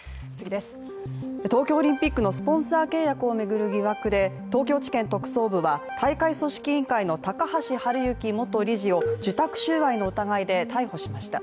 東京オリンピックのスポンサー契約を巡る疑惑で東京地検特捜部は大会組織委員会の高橋治之元理事を受託収賄の疑いで逮捕しました。